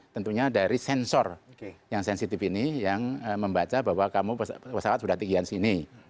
tentunya dari sensor yang sensitif ini yang membaca bahwa kamu pesawat sudah tinggi yang sini